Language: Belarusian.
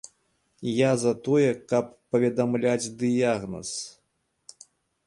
Я за тое, каб паведамляць дыягназ.